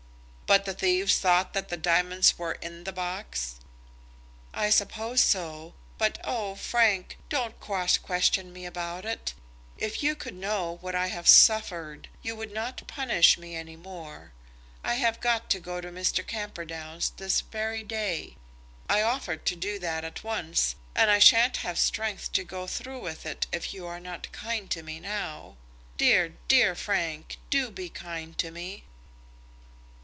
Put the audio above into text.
"But the thieves thought that the diamonds were in the box?" "I suppose so. But, oh, Frank! don't cross question me about it. If you could know what I have suffered, you would not punish me any more. I have got to go to Mr. Camperdown's this very day. I offered to do that at once, and I sha'n't have strength to go through it if you are not kind to me now. Dear, dear Frank, do be kind to me."